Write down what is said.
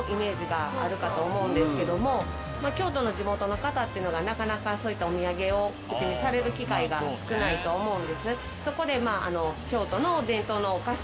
があるかと思うんですけどもまあ京都の地元の方ってのがなかなかそういったお土産をお口にされる機会が少ないと思うんです。